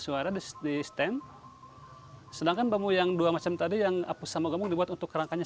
suara disistem sedangkan bambu yang dua macam tadi yang aku sama kamu dibuat untuk rangkanya